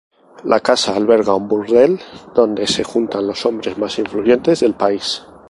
La casa alberga un burdel donde se juntan los hombres más influyentes del país.